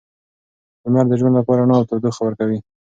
لمر د ژوند لپاره رڼا او تودوخه ورکوي.